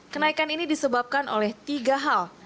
kenaikan ini disebabkan oleh tiga hal